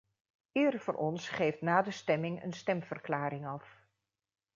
Ieder van ons geeft na de stemming een stemverklaring af.